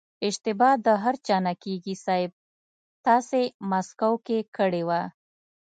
اشتبا د هر چا نه کېږي صيب تاسې مسکو کې کړې وه.